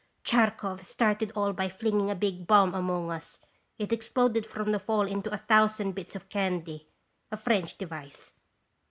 " Tchartkoff startled all by flinging a big bomb among us. It exploded from the fall into a thousand bits of candy a French device.